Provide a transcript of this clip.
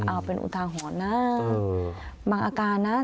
เอาเป็นอุทาหรณ์นะบางอาการนะ